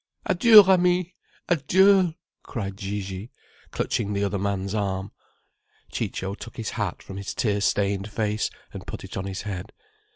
"Adieu, ami! Adieu!" cried Gigi, clutching the other man's arm. Ciccio took his hat from his tear stained face and put it on his head.